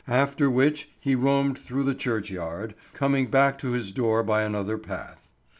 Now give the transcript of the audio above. After which he roamed through the churchyard, coming back to his door by another path.